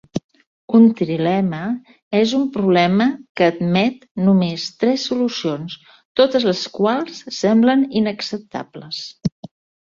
Un trilema és un problema que admet només tres solucions, totes les quals semblen inacceptables.